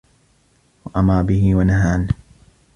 وَأَمَرَ بِهِ وَنَهَى عَنْهُ